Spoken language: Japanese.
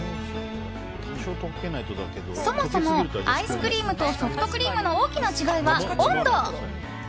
そもそもアイスクリームとソフトクリームの大きな違いは温度。